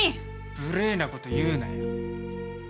無礼な事言うなよ。